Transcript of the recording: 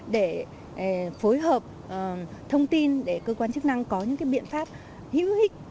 để phối hợp thông tin để cơ quan chức năng có những biện pháp hữu hích